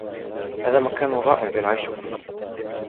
هذا مكان رائع للعيش فيه.